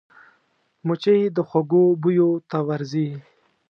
مچمچۍ د خوږو بویو ته ورځي